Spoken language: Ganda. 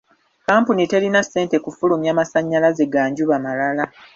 Kampuni terina ssente kufulumya masannyalaze ga njuba malala.